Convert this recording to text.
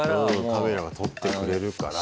カメラが撮ってくれるから。